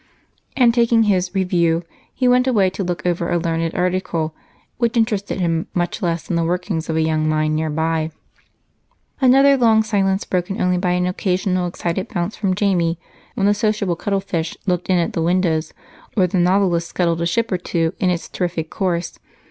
And taking his Review, he went away to look over a learned article which interested him much less than the workings of a young mind nearby. Another long silence, broken only by an occasional excited bounce from Jamie when the sociable cuttlefish looked in at the windows or the Nautilus scuttled a ship or two in its terrific course.